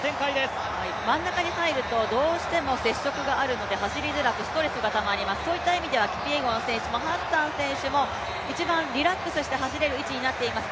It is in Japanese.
真ん中に入るとどうしても接触があるので走りづらく、ストレスがたまります、そういった意味ではキピエゴン選手もハッサン選手も一番リラックスして走れる位置になっています。